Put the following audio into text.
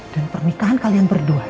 dan pernikahan kalian berdua ini